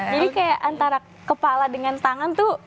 jadi kayak antara kepala dengan tangan tuh